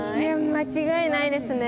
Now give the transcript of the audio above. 間違いないですね。